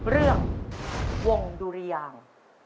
เรื่องวงดุรยาง